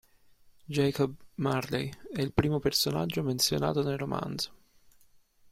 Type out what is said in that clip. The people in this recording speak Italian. Jacob Marley è il primo personaggio menzionato nel romanzo.